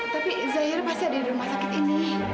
tapi zairi pasti ada di rumah sakit ini